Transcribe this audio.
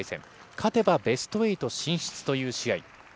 勝てばベスト８進出という試合。